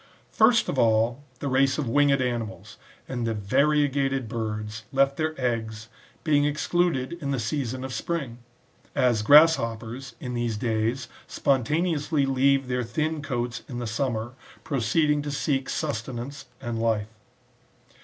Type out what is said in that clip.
First of all, the race of winged animals, and variegated birds, left their eggs, being excluded in the season of spring ; as grasshoppers, in these days, spontaneously leave their thin coats ^ in the summer, proceeding to seek sustenance and life.